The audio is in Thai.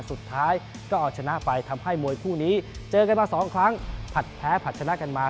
สุดท้ายก็เอาชนะไปทำให้มวยคู่นี้เจอกันมาสองครั้งผลัดแพ้ผลัดชนะกันมา